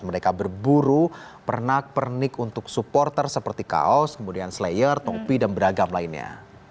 mereka berburu pernak pernik untuk supporter seperti kaos kemudian slayer topi dan beragam lainnya